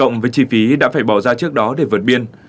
anh ấy đã phải bỏ ra trước đó để vượt biên